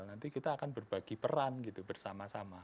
nanti kita akan berbagi peran gitu bersama sama